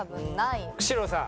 久代さん。